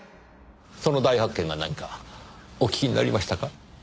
その大発見が何かお聞きになりましたか？